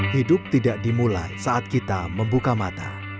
hidup tidak dimulai saat kita membuka mata